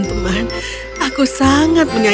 terima kasih untuk semua